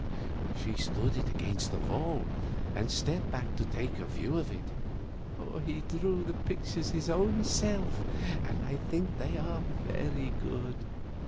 She stood it against the wall, and stepped back to take a view of it. "He drew the pictures his own self, and I think they are very good.